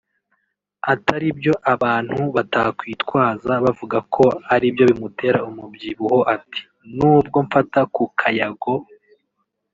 ataribyo abantu batakwitwaza bavuga ko ari byo bimutera umubyibuho ati "nubwo mfata ku kayago